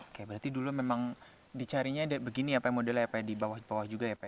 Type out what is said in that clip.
oke berarti dulu memang dicarinya begini ya pak modelnya ya pak ya di bawah bawah juga ya pak